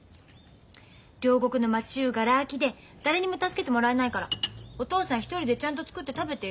両国の町じゅうがら空きで誰にも助けてもらえないからお父さん一人でちゃんと作って食べてよ。